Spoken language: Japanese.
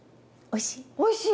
おいしい？